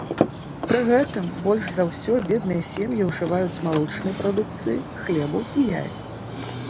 Пры гэтым больш за ўсё бедныя сем'і ўжываюць малочнай прадукцыі, хлебу і яек.